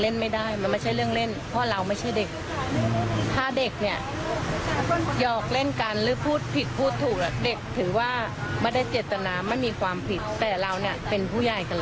และก็สังคมเราทุกวันนี้อยู่ลำบาก